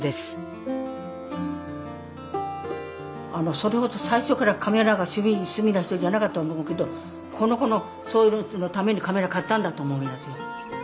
それほど最初からカメラが趣味な人じゃなかったと思うけどこの子のためにカメラ買ったんだと思います。